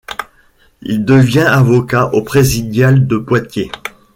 Il devient avocat au présidial de Poitiers.